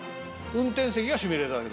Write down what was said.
運転席がシミュレーターだけど。